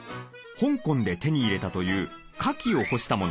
香港で手に入れたというカキを干したもの。